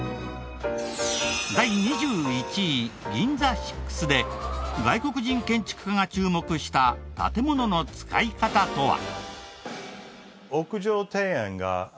第２１位ＧＩＮＺＡＳＩＸで外国人建築家が注目した建ものの使い方とは？